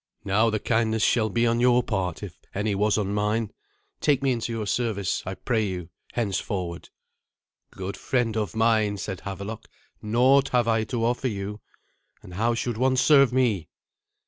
"Now the kindness shall be on your part, if any was on mine. Take me into your service, I pray you, henceforward." "Good friend of mine," said Havelok, "naught have I to offer you. And how should one serve me?"